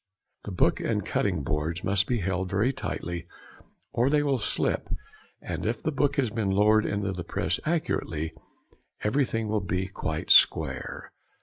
The book and cutting boards must be held very tightly or they will slip and, if the book has been lowered into the press accurately, everything will be quite square.